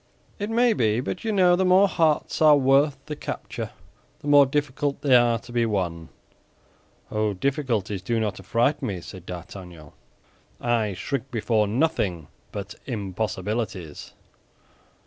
"It may be; but you know the more hearts are worth the capture, the more difficult they are to be won." "Oh, difficulties do not affright me," said D'Artagnan. "I shrink before nothing but impossibilities."